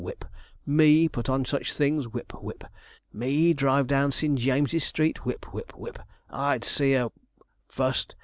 (whip) 'me put on sich things!' (whip, whip) 'me drive down Sin Jimses street!' (whip, whip, whip), 'I'd see her fust!'